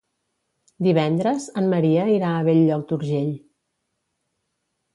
Divendres en Maria irà a Bell-lloc d'Urgell.